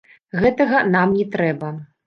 Гэтага нам не трэба.